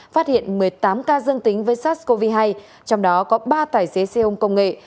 phát hiện một mươi tám ca dương tính với sars cov hai trong đó có ba tài xế xe ôm công nghệ